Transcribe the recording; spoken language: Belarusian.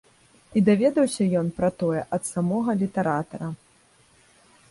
І даведаўся ён пра тое ад самога літаратара.